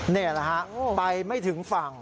นี่แหละฮะไปไม่ถึงฝั่ง